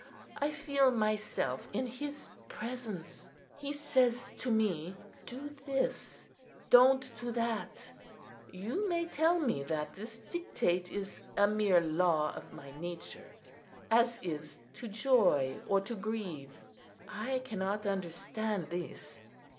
I feel myself in His presence. He says to me, 'Do this: don't do that,' You may tell me that this dictate is a mere law of my nature, as is to joy or to grieve. I cannot understand this.